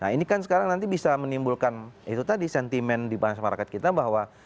ini kan sekarang nanti bisa menimbulkan itu tadi sentimen di bangsa abang bangsa kita bahwa